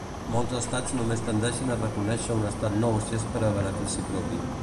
Molts estats només tendeixen a reconèixer un estat nou si és per a benefici propi.